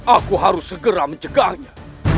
aku harus segera mencegahnya